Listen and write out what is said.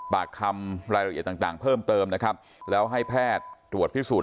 ปากคำรายละเอียดต่างต่างเพิ่มเติมนะครับแล้วให้แพทย์ตรวจพิสูจน